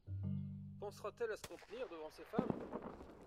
Pensera-t-elle à se contenir devant ses femmes ?…